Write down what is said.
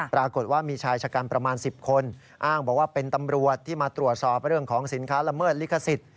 ปรากฏว่ามีชายชะกันประมาณ๑๐คนอ้างบอกว่าเป็นตำรวจที่มาตรวจสอบเรื่องของสินค้าละเมิดลิขสิทธิ์